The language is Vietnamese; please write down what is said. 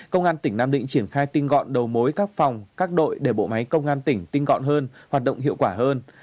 công an tỉnh nam định triển khai tinh gọn đầu mối các phòng các đội để bộ máy công an tỉnh tinh gọn hơn hoạt động hiệu quả hơn